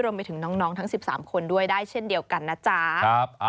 รวมไปถึงน้องทั้ง๑๓คนด้วยได้เช่นเดียวกันนะจ๊ะ